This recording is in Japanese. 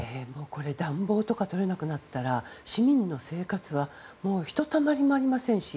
暖房とか取れなくなったら市民の生活はひとたまりもありませんし